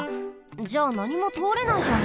じゃあなにもとおれないじゃん。